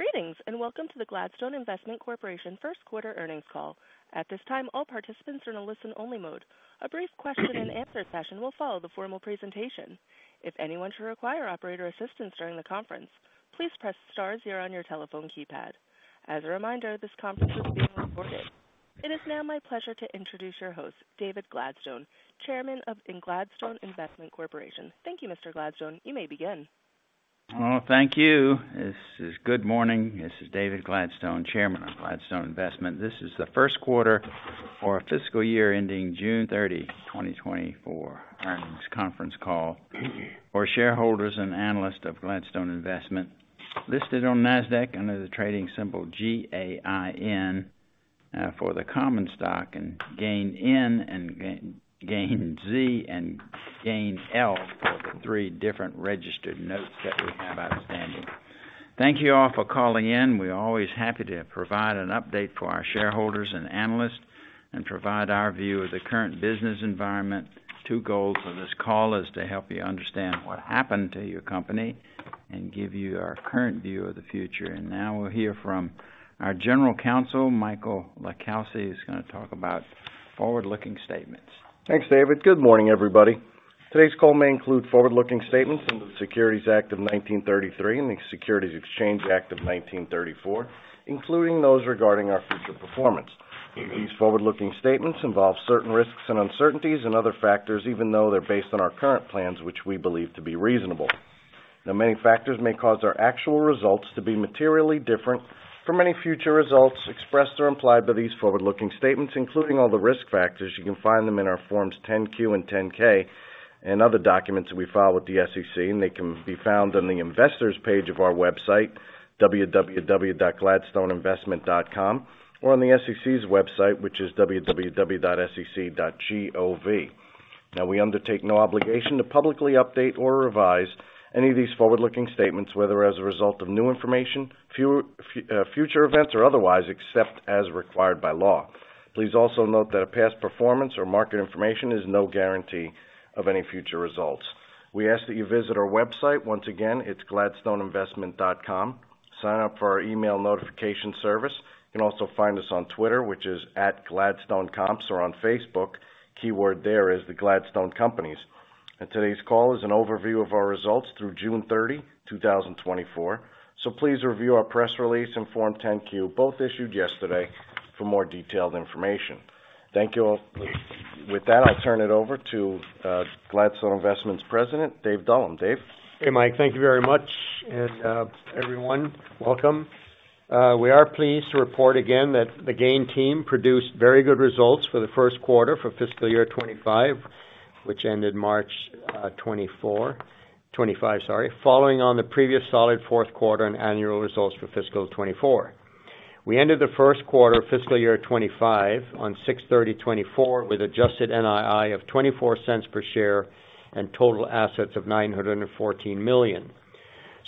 Greetings, and welcome to the Gladstone Investment Corporation first quarter earnings call. At this time, all participants are in a listen-only mode. A brief question and answer session will follow the formal presentation. If anyone should require operator assistance during the conference, please press star zero on your telephone keypad. As a reminder, this conference is being recorded. It is now my pleasure to introduce your host, David Gladstone, Chairman of Gladstone Investment Corporation. Thank you, Mr. Gladstone. You may begin. Well, thank you. Good morning. This is David Gladstone, Chairman of Gladstone Investment. This is the first quarter for our fiscal year ending June 30, 2024, earnings conference call for shareholders and analysts of Gladstone Investment, listed on Nasdaq under the trading symbol GAIN for the common stock, and GAIN N and GAIN Z and GAIN L for the three different registered notes that we have outstanding. Thank you all for calling in. We're always happy to provide an update for our shareholders and analysts and provide our view of the current business environment. Two goals of this call is to help you understand what happened to your company and give you our current view of the future. Now we'll hear from our General Counsel, Michael LiCalsi, who's gonna talk about forward-looking statements. Thanks, David. Good morning, everybody. Today's call may include forward-looking statements in the Securities Act of 1933 and the Securities Exchange Act of 1934, including those regarding our future performance. These forward-looking statements involve certain risks and uncertainties and other factors, even though they're based on our current plans, which we believe to be reasonable. Now, many factors may cause our actual results to be materially different from any future results expressed or implied by these forward-looking statements, including all the risk factors. You can find them in our Forms 10-Q and 10-K and other documents that we file with the SEC, and they can be found on the Investors page of our website, www.gladstoneinvestment.com, or on the SEC's website, which is www.sec.gov. Now, we undertake no obligation to publicly update or revise any of these forward-looking statements, whether as a result of new information, future events or otherwise, except as required by law. Please also note that past performance or market information is no guarantee of any future results. We ask that you visit our website. Once again, it's gladstoneinvestment.com. Sign up for our email notification service. You can also find us on Twitter, which is @GladstoneComps, or on Facebook. Keyword there is The Gladstone Companies. Today's call is an overview of our results through June 30, 2024. Please review our press release and Form 10-Q, both issued yesterday, for more detailed information. Thank you all. With that, I'll turn it over to Gladstone Investment's president, Dave Dullum. Dave? Hey, Mike. Thank you very much. Everyone, welcome. We are pleased to report again that the GAIN team produced very good results for the first quarter for fiscal year 2025, which ended March 2024... 2025, sorry, following on the previous solid fourth quarter and annual results for fiscal 2024. We ended the first quarter of fiscal year 2025 on June 30, 2024, with adjusted NII of $0.24 per share and total assets of $914 million.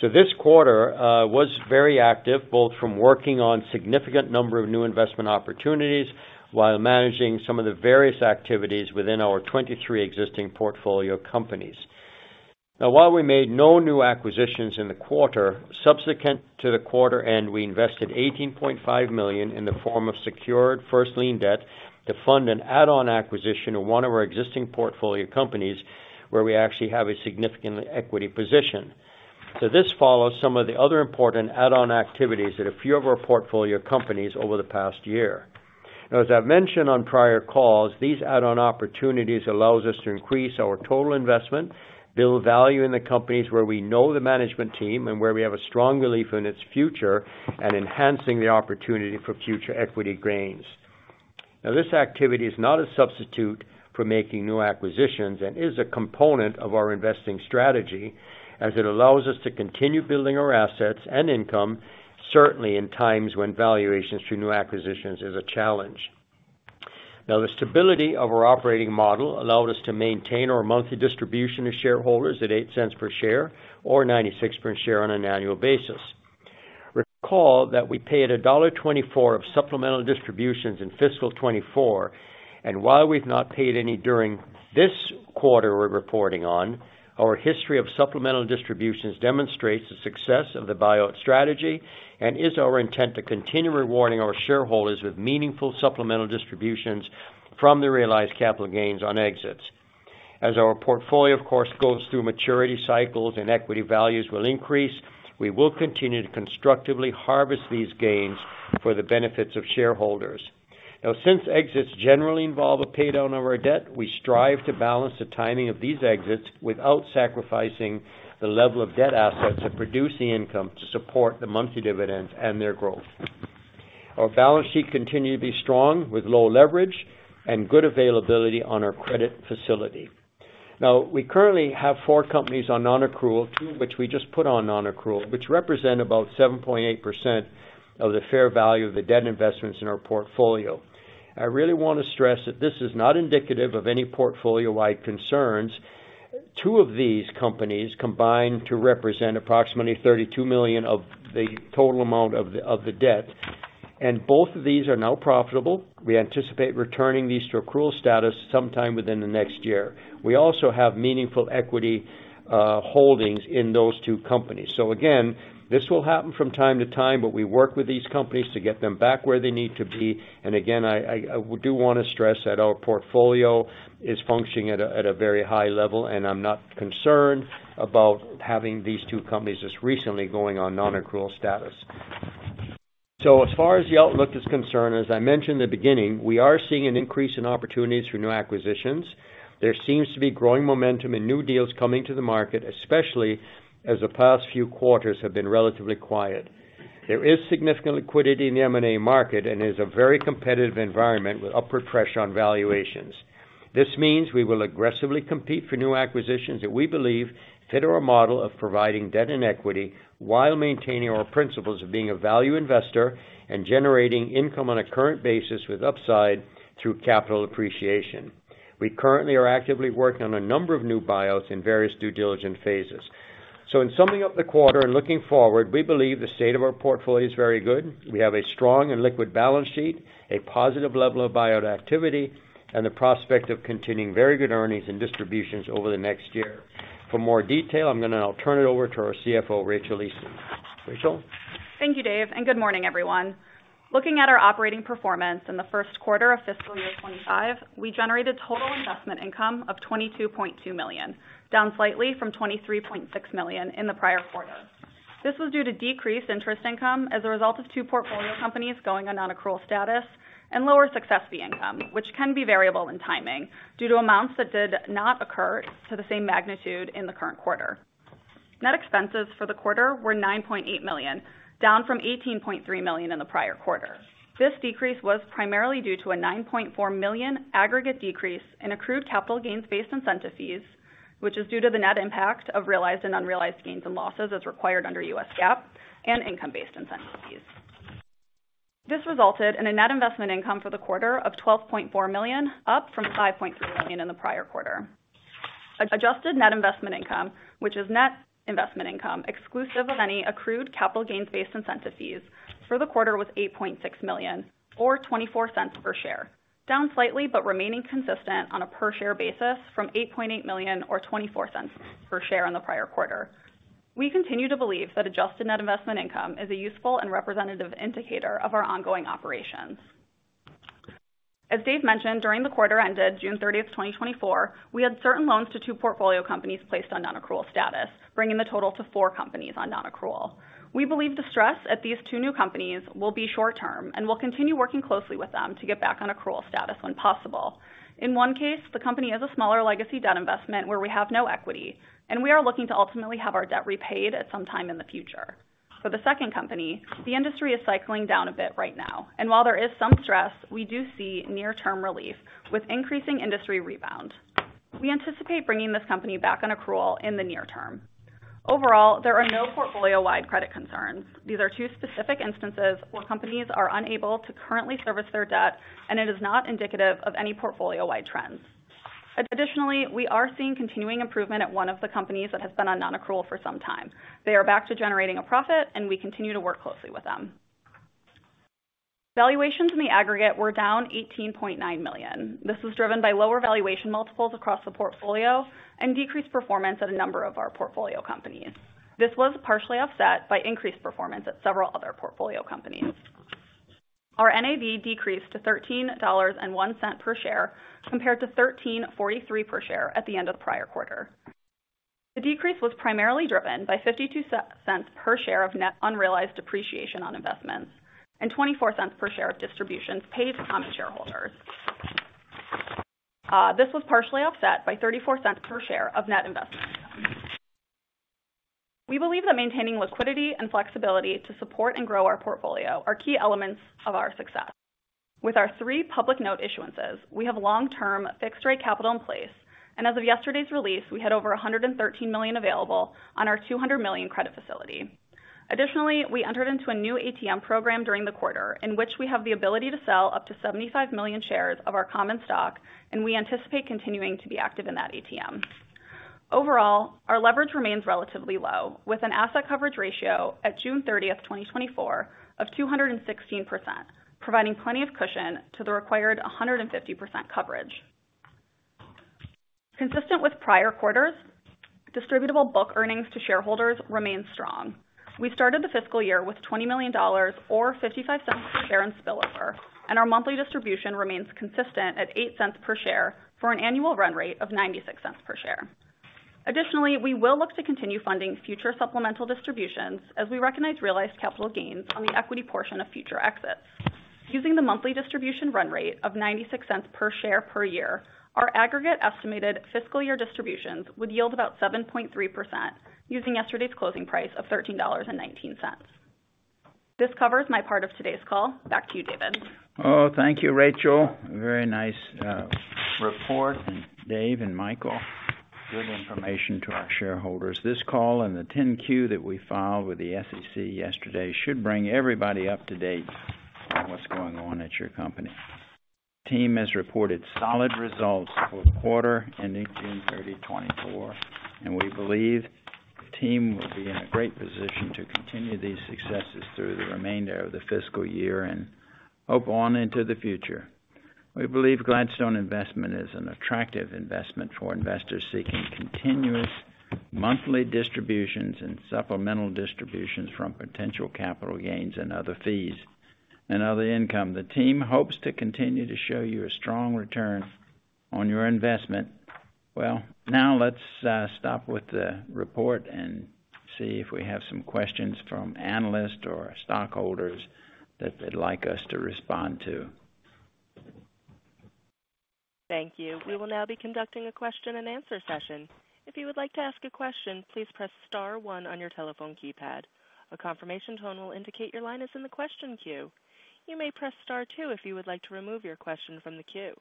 This quarter was very active, both from working on significant number of new investment opportunities, while managing some of the various activities within our 23 existing portfolio companies. Now, while we made no new acquisitions in the quarter, subsequent to the quarter end, we invested $18.5 million in the form of secured first lien debt to fund an add-on acquisition of one of our existing portfolio companies, where we actually have a significant equity position. So this follows some of the other important add-on activities at a few of our portfolio companies over the past year. Now, as I've mentioned on prior calls, these add-on opportunities allows us to increase our total investment, build value in the companies where we know the management team and where we have a strong belief in its future and enhancing the opportunity for future equity gains. Now, this activity is not a substitute for making new acquisitions and is a component of our investing strategy, as it allows us to continue building our assets and income, certainly in times when valuations through new acquisitions is a challenge. Now, the stability of our operating model allowed us to maintain our monthly distribution to shareholders at $0.08 per share or $0.96 per share on an annual basis. Recall that we paid $1.24 of supplemental distributions in fiscal 2024, and while we've not paid any during this quarter we're reporting on, our history of supplemental distributions demonstrates the success of the buyout strategy and is our intent to continue rewarding our shareholders with meaningful supplemental distributions from the realized capital gains on exits. As our portfolio, of course, goes through maturity cycles and equity values will increase, we will continue to constructively harvest these gains for the benefits of shareholders. Now, since exits generally involve a paydown of our debt, we strive to balance the timing of these exits without sacrificing the level of debt assets that produce the income to support the monthly dividends and their growth. Our balance sheet continued to be strong, with low leverage and good availability on our credit facility. Now, we currently have four companies on non-accrual, two of which we just put on non-accrual, which represent about 7.8% of the fair value of the debt investments in our portfolio. I really want to stress that this is not indicative of any portfolio-wide concerns. Two of these companies combined to represent approximately $32 million of the total amount of the debt.... Both of these are now profitable. We anticipate returning these to accrual status sometime within the next year. We also have meaningful equity holdings in those two companies. So again, this will happen from time to time, but we work with these companies to get them back where they need to be. And again, I do wanna stress that our portfolio is functioning at a very high level, and I'm not concerned about having these two companies just recently going on non-accrual status. So as far as the outlook is concerned, as I mentioned in the beginning, we are seeing an increase in opportunities for new acquisitions. There seems to be growing momentum and new deals coming to the market, especially as the past few quarters have been relatively quiet. There is significant liquidity in the M&A market, and there's a very competitive environment with upward pressure on valuations. This means we will aggressively compete for new acquisitions that we believe fit our model of providing debt and equity, while maintaining our principles of being a value investor and generating income on a current basis with upside through capital appreciation. We currently are actively working on a number of new buyouts in various due diligent phases. So in summing up the quarter and looking forward, we believe the state of our portfolio is very good. We have a strong and liquid balance sheet, a positive level of buyout activity, and the prospect of continuing very good earnings and distributions over the next year. For more detail, I'm gonna now turn it over to our CFO, Rachael Easton. Rachel? Thank you, Dave, and good morning, everyone. Looking at our operating performance in the first quarter of fiscal year 2025, we generated total investment income of $22.2 million, down slightly from $23.6 million in the prior quarter. This was due to decreased interest income as a result of two portfolio companies going on non-accrual status and lower success fee income, which can be variable in timing, due to amounts that did not occur to the same magnitude in the current quarter. Net expenses for the quarter were $9.8 million, down from $18.3 million in the prior quarter. This decrease was primarily due to a $9.4 million aggregate decrease in Accrued Capital Gains-Based Incentive Fees, which is due to the net impact of realized and unrealized gains and losses as required under US GAAP and income-based incentive fees. This resulted in a net investment income for the quarter of $12.4 million, up from $5.3 million in the prior quarter. Adjusted net investment income, which is net investment income, exclusive of any accrued capital gains-based incentive fees for the quarter, was $8.6 million or $0.24 per share, down slightly, but remaining consistent on a per share basis from $8.8 million or $0.24 per share in the prior quarter. We continue to believe that adjusted net investment income is a useful and representative indicator of our ongoing operations. As Dave mentioned, during the quarter ended June 30, 2024, we had certain loans to two portfolio companies placed on non-accrual status, bringing the total to four companies on non-accrual. We believe the stress at these two new companies will be short-term, and we'll continue working closely with them to get back on accrual status when possible. In one case, the company is a smaller legacy debt investment where we have no equity, and we are looking to ultimately have our debt repaid at some time in the future. For the second company, the industry is cycling down a bit right now, and while there is some stress, we do see near-term relief with increasing industry rebound. We anticipate bringing this company back on accrual in the near term. Overall, there are no portfolio-wide credit concerns. These are two specific instances where companies are unable to currently service their debt, and it is not indicative of any portfolio-wide trends. Additionally, we are seeing continuing improvement at one of the companies that has been on non-accrual for some time. They are back to generating a profit, and we continue to work closely with them. Valuations in the aggregate were down $18.9 million. This was driven by lower valuation multiples across the portfolio and decreased performance at a number of our portfolio companies. This was partially offset by increased performance at several other portfolio companies. Our NAV decreased to $13.01 per share, compared to $13.43 per share at the end of the prior quarter. The decrease was primarily driven by $0.52 per share of net unrealized appreciation on investments and $0.24 per share of distributions paid to common shareholders. This was partially offset by $0.34 per share of net investment income. We believe that maintaining liquidity and flexibility to support and grow our portfolio are key elements of our success. With our 3 public note issuances, we have long-term fixed rate capital in place, and as of yesterday's release, we had over $113 million available on our $200 million credit facility. Additionally, we entered into a new ATM program during the quarter, in which we have the ability to sell up to 75 million shares of our common stock, and we anticipate continuing to be active in that ATM. Overall, our leverage remains relatively low, with an asset coverage ratio at June 30, 2024 of 216%, providing plenty of cushion to the required 150% coverage. Consistent with prior quarters, distributable book earnings to shareholders remain strong. We started the fiscal year with $20 million, or $0.55 per share in spillover, and our monthly distribution remains consistent at $0.08 per share, for an annual run rate of $0.96 per share. Additionally, we will look to continue funding future supplemental distributions as we recognize realized capital gains on the equity portion of future exits. Using the monthly distribution run rate of $0.96 per share per year, our aggregate estimated fiscal year distributions would yield about 7.3%, using yesterday's closing price of $13.19. This covers my part of today's call. Back to you, David. Oh, thank you, Rachael. Very nice, report. And Dave and Michael, good information to our shareholders. This call and the 10-Q that we filed with the SEC yesterday should bring everybody up to date at your company. The team has reported solid results for the quarter ending June 30, 2024, and we believe the team will be in a great position to continue these successes through the remainder of the fiscal year and hope on into the future. We believe Gladstone Investment is an attractive investment for investors seeking continuous monthly distributions and supplemental distributions from potential capital gains and other fees and other income. The team hopes to continue to show you a strong return on your investment. Well, now let's stop with the report and see if we have some questions from analysts or stockholders that they'd like us to respond to. Thank you. We will now be conducting a question-and-answer session. If you would like to ask a question, please press star one on your telephone keypad. A confirmation tone will indicate your line is in the question queue. You may press star two if you would like to remove your question from the queue.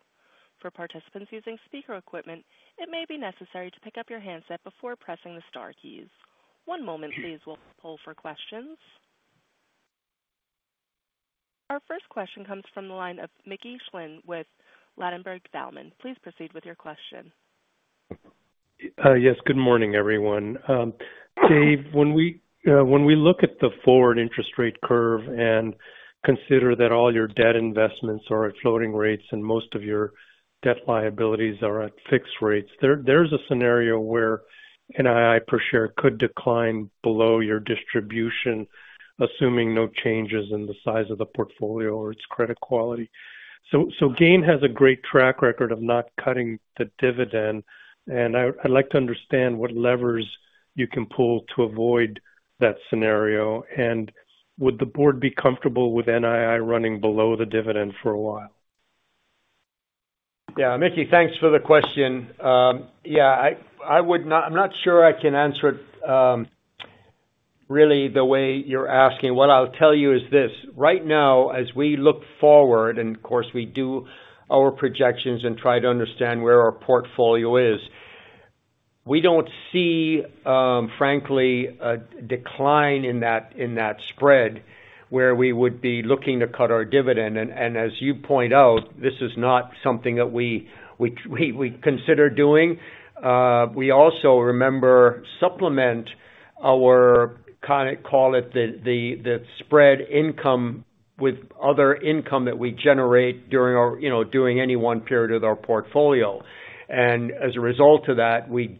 For participants using speaker equipment, it may be necessary to pick up your handset before pressing the star keys. One moment please. We'll pull for questions. Our first question comes from the line of Mickey Flynn with Ladenburg Thalmann. Please proceed with your question. Yes. Good morning, everyone. Dave, when we, when we look at the forward interest rate curve and consider that all your debt investments are at floating rates and most of your debt liabilities are at fixed rates, there's a scenario where NII per share could decline below your distribution, assuming no changes in the size of the portfolio or its credit quality. So, GAIN has a great track record of not cutting the dividend, and I'd like to understand what levers you can pull to avoid that scenario. Would the board be comfortable with NII running below the dividend for a while? Yeah, Mickey, thanks for the question. Yeah, I would not... I'm not sure I can answer it, really the way you're asking. What I'll tell you is this: right now, as we look forward, and of course, we do our projections and try to understand where our portfolio is, we don't see, frankly, a decline in that, in that spread where we would be looking to cut our dividend. And, as you point out, this is not something that we consider doing. We also remember supplement our kind, call it the spread income with other income that we generate during our, you know, during any one period of our portfolio. As a result of that, we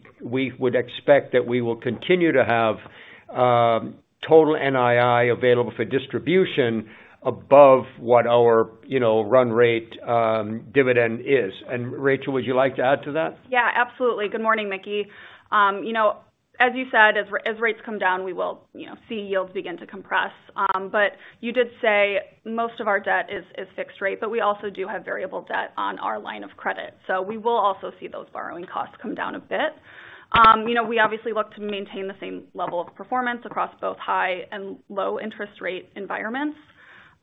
would expect that we will continue to have total NII available for distribution above what our, you know, run rate dividend is. Rachael, would you like to add to that? Yeah, absolutely. Good morning, Mickey. You know, as you said, as rates come down, we will, you know, see yields begin to compress. But you did say most of our debt is fixed rate, but we also do have variable debt on our line of credit, so we will also see those borrowing costs come down a bit. You know, we obviously look to maintain the same level of performance across both high and low interest rate environments.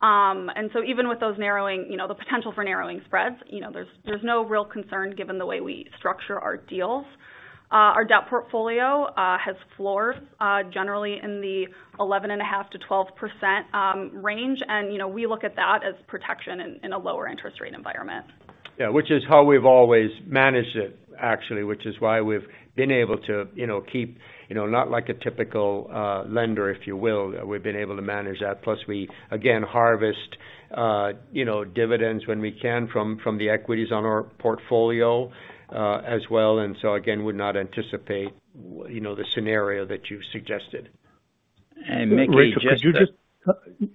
And so even with those narrowing, you know, the potential for narrowing spreads, you know, there's no real concern given the way we structure our deals. Our debt portfolio has floors generally in the 11.5%-12% range, and, you know, we look at that as protection in a lower interest rate environment. Yeah, which is how we've always managed it, actually, which is why we've been able to, you know, keep, you know, not like a typical lender, if you will. We've been able to manage that. Plus, we again, harvest, you know, dividends when we can from, from the equities on our portfolio, as well. And so again, would not anticipate, you know, the scenario that you suggested. And Mickey- Rachael, could you just-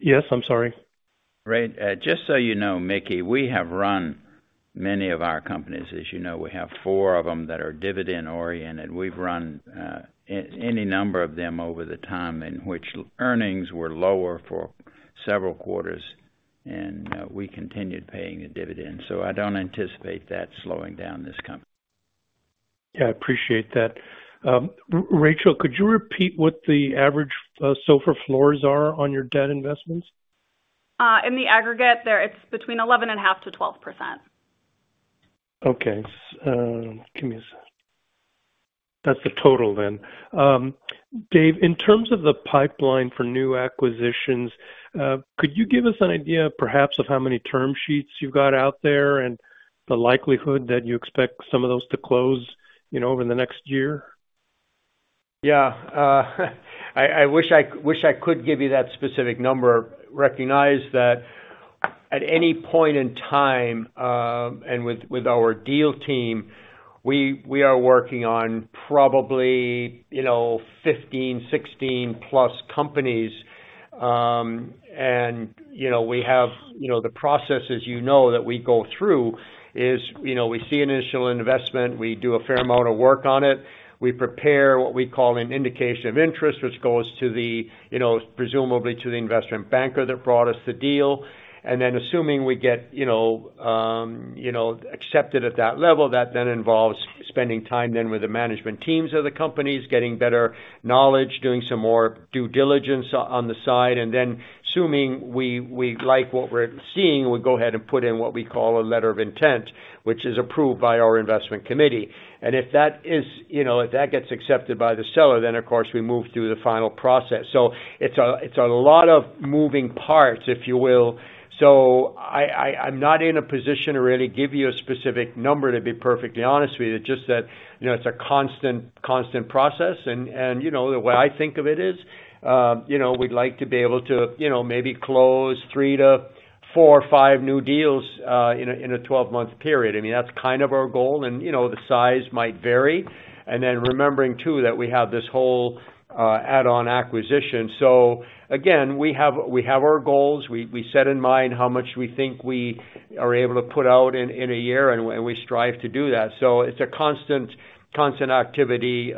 Yes, I'm sorry. Right. Just so you know, Mickey, we have run many of our companies. As you know, we have four of them that are dividend-oriented. We've run any number of them over the time in which earnings were lower for several quarters, and we continued paying a dividend, so I don't anticipate that slowing down this company. Yeah, I appreciate that. Rachael, could you repeat what the average SOFR floors are on your debt investments? In the aggregate there, it's between 11.5% to 12%. Okay. Give me a sec. That's the total then. Dave, in terms of the pipeline for new acquisitions, could you give us an idea, perhaps, of how many term sheets you've got out there and the likelihood that you expect some of those to close, you know, over the next year? Yeah. I wish I could give you that specific number. Recognize that at any point in time, and with our deal team, we are working on probably, you know, 15, 16 plus companies. And, you know, we have, you know, the processes, you know, that we go through is, you know, we see an initial investment, we do a fair amount of work on it. We prepare what we call an indication of interest, which goes to the, you know, presumably to the investment banker that brought us the deal. And then assuming we get, you know, you know, accepted at that level, that then involves spending time then with the management teams of the companies, getting better knowledge, doing some more due diligence on the side, and then assuming we like what we're seeing, we go ahead and put in what we call a letter of intent, which is approved by our investment committee. And if that is, you know, if that gets accepted by the seller, then of course, we move through the final process. So it's a lot of moving parts, if you will. So I'm not in a position to really give you a specific number, to be perfectly honest with you. It's just that, you know, it's a constant, constant process and, and you know, the way I think of it is, you know, we'd like to be able to, you know, maybe close 3 to 4 or 5 new deals, in a 12-month period. I mean, that's kind of our goal. And, you know, the size might vary. And then remembering, too, that we have this whole, add-on acquisition. So again, we have, we have our goals, we set in mind how much we think we are able to put out in a year, and we strive to do that. So it's a constant, constant activity,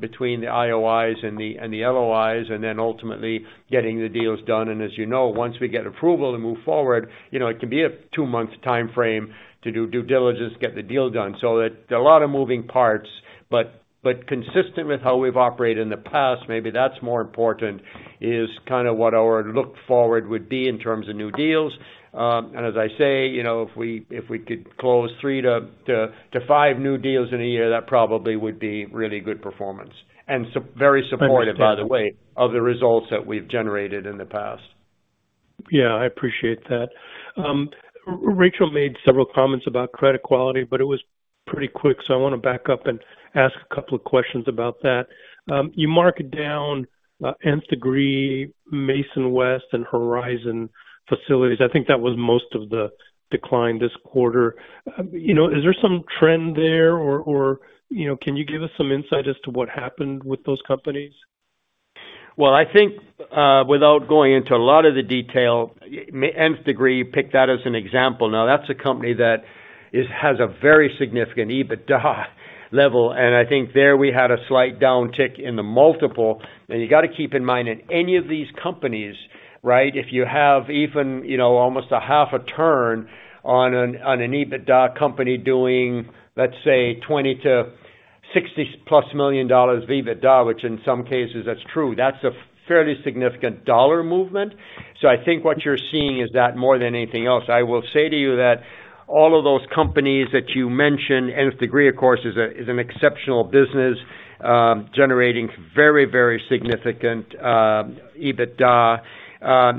between the IOIs and the LOIs, and then ultimately getting the deals done. As you know, once we get approval to move forward, you know, it can be a two-month timeframe to do due diligence, get the deal done. So there are a lot of moving parts, but consistent with how we've operated in the past, maybe that's more important, is kind of what our look forward would be in terms of new deals. And as I say, you know, if we, if we could close 3 to 5 new deals in a year, that probably would be really good performance. Very supportive, by the way, of the results that we've generated in the past. Yeah, I appreciate that. Rachel made several comments about credit quality, but it was pretty quick, so I wanna back up and ask a couple of questions about that. You marked down Nth Degree, Mason West, and Horizon Facilities. I think that was most of the decline this quarter. You know, is there some trend there or, you know, can you give us some insight as to what happened with those companies? Well, I think, without going into a lot of the detail, Nth Degree, you picked that as an example. Now, that's a company that has a very significant EBITDA level, and I think there we had a slight downtick in the multiple. And you gotta keep in mind, in any of these companies, right, if you have even, you know, almost a half a turn on an EBITDA company doing, let's say, $20 million-$60+ million EBITDA, which in some cases that's true, that's a fairly significant dollar movement. So I think what you're seeing is that more than anything else. I will say to you that all of those companies that you mentioned, Nth Degree, of course, is an exceptional business, generating very, very significant EBITDA.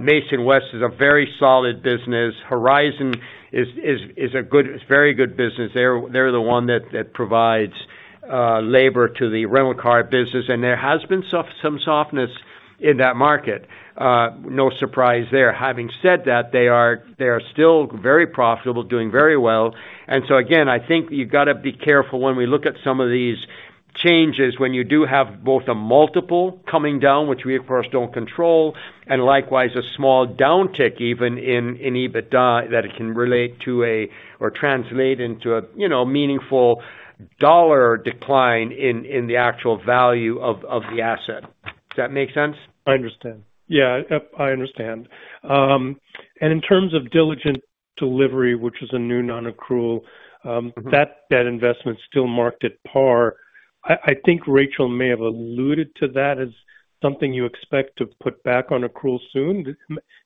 Mason West is a very solid business. Horizon is a good, very good business. They're the one that provides labor to the rental car business, and there has been some softness in that market. No surprise there. Having said that, they are still very profitable, doing very well. And so again, I think you've gotta be careful when we look at some of these changes, when you do have both a multiple coming down, which we of course don't control, and likewise, a small downtick even in EBITDA, that it can relate to a or translate into a, you know, meaningful dollar decline in the actual value of the asset. Does that make sense? I understand. Yeah, I understand. And in terms of Diligent Delivery, which is a new non-accrual, Mm-hmm. That investment is still marked at par. I think Rachael may have alluded to that as something you expect to put back on accrual soon.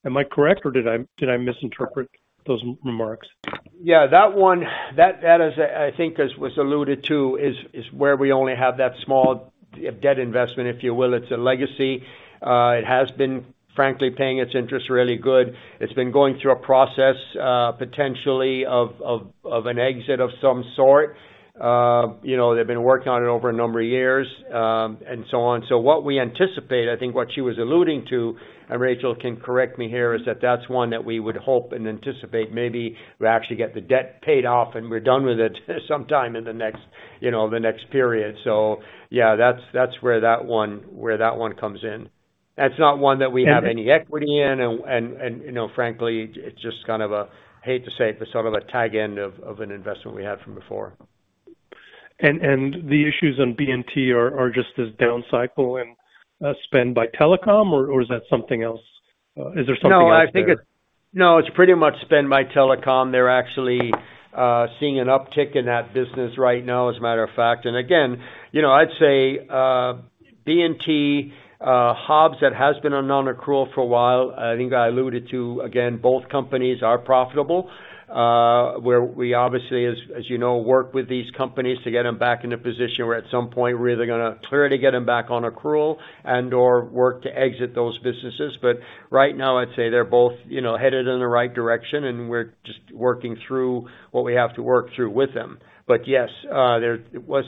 Am I correct, or did I misinterpret those remarks? Yeah, that one, that is, I think as was alluded to, is where we only have that small debt investment, if you will. It's a legacy. It has been, frankly, paying its interest really good. It's been going through a process, potentially of an exit of some sort. You know, they've been working on it over a number of years, and so on. So what we anticipate, I think what she was alluding to, and Rachael can correct me here, is that that's one that we would hope and anticipate maybe we actually get the debt paid off, and we're done with it sometime in the next, you know, the next period. So yeah, that's where that one comes in. That's not one that we have any equity in, and you know, frankly, it's just kind of hate to say it, but sort of a tag end of an investment we had from before. And the issues on B+T are just a down cycle and spend by telecom, or is that something else? Is there something else there? No, I think. No, it's pretty much spend by telecom. They're actually seeing an uptick in that business right now, as a matter of fact. And again, you know, I'd say B+T, Hobbs, that has been on non-accrual for a while. I think I alluded to, again, both companies are profitable. Where we obviously, as you know, work with these companies to get them back in a position where at some point we're either gonna clearly get them back on accrual and/or work to exit those businesses. But right now, I'd say they're both, you know, headed in the right direction, and we're just working through what we have to work through with them. But yes, there was.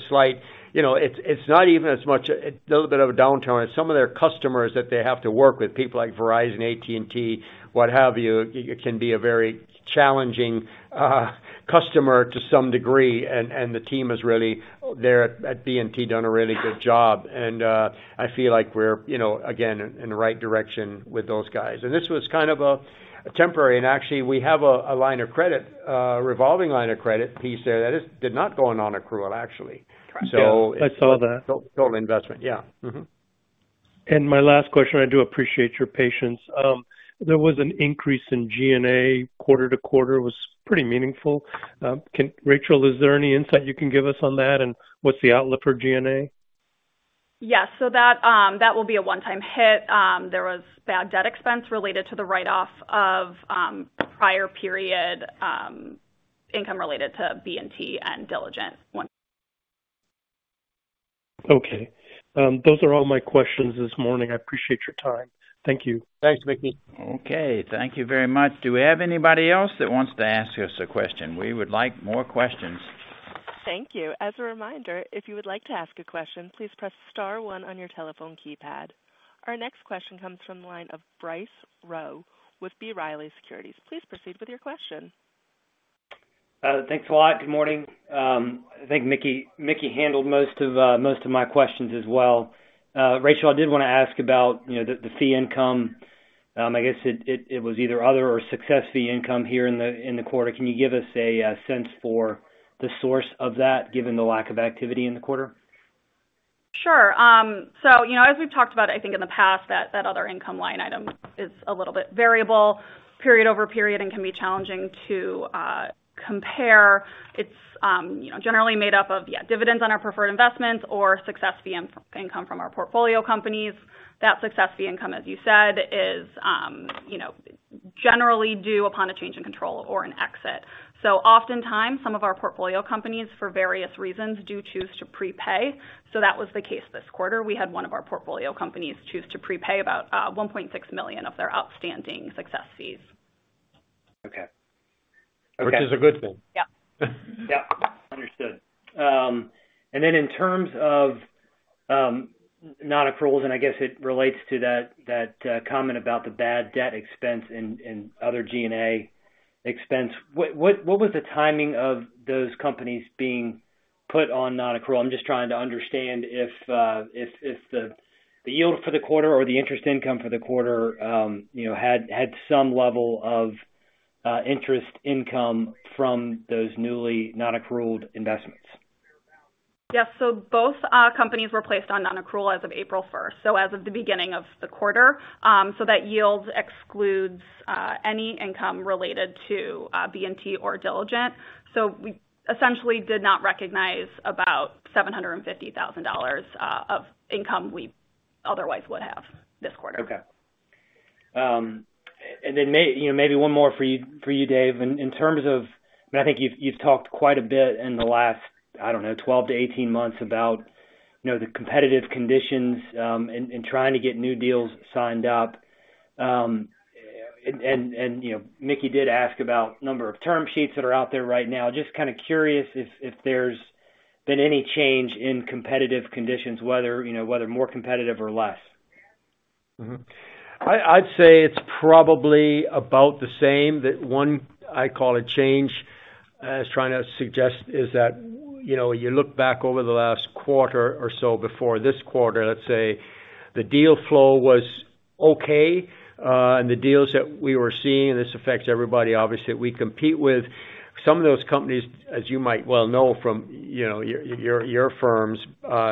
You know, it's not even as much, a little bit of a downturn. Some of their customers that they have to work with, people like Verizon, AT&T, what have you, it can be a very challenging customer to some degree, and the team has really there at B+T done a really good job. And I feel like we're, you know, again, in the right direction with those guys. And this was kind of a temporary - and actually, we have a revolving line of credit piece there, that is, did not go on non-accrual, actually. So- I saw that. Total investment. Yeah. Mm-hmm. And my last question, I do appreciate your patience. There was an increase in GNA quarter-over-quarter that was pretty meaningful. Rachael, is there any insight you can give us on that, and what's the outlook for GNA? Yes. So that, that will be a one-time hit. There was bad debt expense related to the write-off of prior period income related to B+T and Diligent. Okay. Those are all my questions this morning. I appreciate your time. Thank you. Thanks, Mickey. Okay, thank you very much. Do we have anybody else that wants to ask us a question? We would like more questions.... Thank you. As a reminder, if you would like to ask a question, please press star one on your telephone keypad. Our next question comes from the line of Bryce Rowe with B. Riley Securities. Please proceed with your question. Thanks a lot. Good morning. I think Mickey handled most of my questions as well. Rachael, I did wanna ask about, you know, the fee income. I guess it was either other or Success Fee income here in the quarter. Can you give us a sense for the source of that, given the lack of activity in the quarter? Sure. So, you know, as we've talked about, I think in the past, that other income line item is a little bit variable, period-over-period, and can be challenging to compare. It's, you know, generally made up of dividends on our preferred investments or success fee income from our portfolio companies. That success fee income, as you said, is, you know, generally due upon a change in control or an exit. So oftentimes, some of our portfolio companies, for various reasons, do choose to prepay. So that was the case this quarter. We had one of our portfolio companies choose to prepay about $1.6 million of their outstanding success fees. Okay. Okay. Which is a good thing. Yeah. Yeah. Understood. And then in terms of non-accruals, and I guess it relates to that comment about the bad debt expense and other G&A expense, what was the timing of those companies being put on non-accrual? I'm just trying to understand if the yield for the quarter or the interest income for the quarter, you know, had some level of interest income from those newly non-accrual investments. Yes, so both companies were placed on non-accrual as of April first, so as of the beginning of the quarter. So that yield excludes any income related to B+T or Diligent. So we essentially did not recognize about $750,000 of income we otherwise would have this quarter. Okay. And then maybe you know, maybe one more for you, Dave. In terms of... and I think you've talked quite a bit in the last, I don't know, 12-18 months about, you know, the competitive conditions, and you know, Mickey did ask about number of term sheets that are out there right now. Just kind of curious if there's been any change in competitive conditions, whether, you know, whether more competitive or less. Mm-hmm. I'd say it's probably about the same. That one, I call a change, as trying to suggest, is that, you know, you look back over the last quarter or so before this quarter, let's say, the deal flow was okay, and the deals that we were seeing, and this affects everybody, obviously, we compete with some of those companies, as you might well know from, you know, your firm's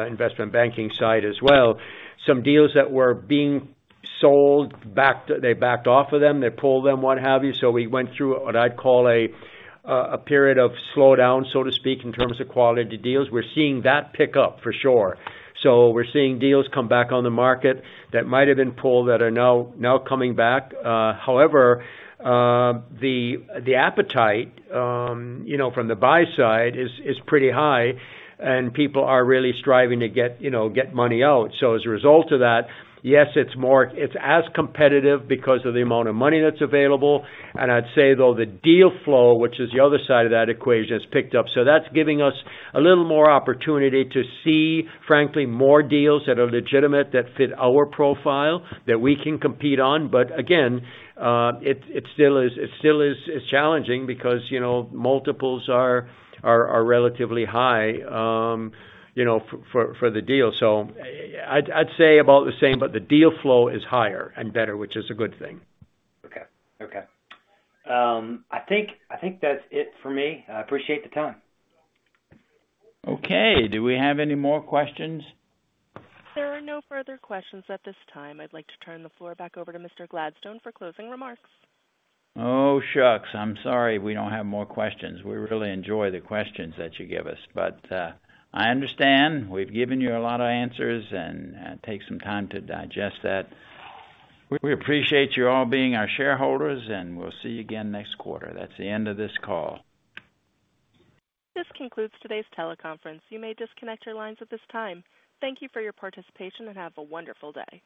investment banking side as well. Some deals that were being sold back - they backed off of them, they pulled them, what have you. So we went through what I'd call a period of slowdown, so to speak, in terms of quality deals. We're seeing that pick up for sure. So we're seeing deals come back on the market that might have been pulled, that are now coming back. However, the appetite, you know, from the buy side is pretty high, and people are really striving to get, you know, get money out. So as a result of that, yes, it's more—it's as competitive because of the amount of money that's available, and I'd say, though, the deal flow, which is the other side of that equation, has picked up. So that's giving us a little more opportunity to see, frankly, more deals that are legitimate, that fit our profile, that we can compete on. But again, it still is challenging because, you know, multiples are relatively high, you know, for the deal. So I'd say about the same, but the deal flow is higher and better, which is a good thing. Okay. Okay. I think, I think that's it for me. I appreciate the time. Okay. Do we have any more questions? There are no further questions at this time. I'd like to turn the floor back over to Mr. Gladstone for closing remarks. Oh, shucks! I'm sorry we don't have more questions. We really enjoy the questions that you give us, but I understand we've given you a lot of answers, and take some time to digest that. We appreciate you all being our shareholders, and we'll see you again next quarter. That's the end of this call. This concludes today's teleconference. You may disconnect your lines at this time. Thank you for your participation, and have a wonderful day.